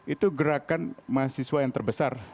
itu gerakan mahasiswa yang terbesar